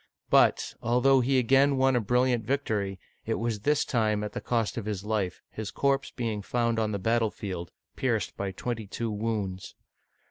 But, although he again won a brilliant victory, it was this time at the cost of his life, his corpse being found on the battlefield, pierced by twenty two wounds.